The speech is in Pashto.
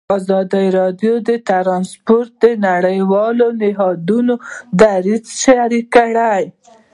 ازادي راډیو د ترانسپورټ د نړیوالو نهادونو دریځ شریک کړی.